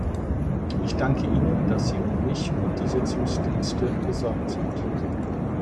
Ich danke Ihnen, dass Sie um mich und die Sitzungsdienste besorgt sind.